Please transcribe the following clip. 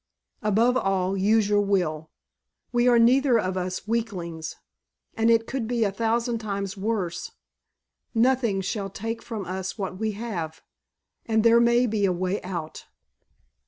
Above all, use your will. We are neither of us weaklings, and it could be a thousand times worse. Nothing shall take from us what we have, and there may be a way out."